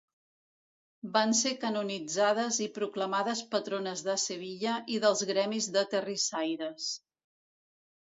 Van ser canonitzades i proclamades patrones de Sevilla i dels gremis de terrissaires.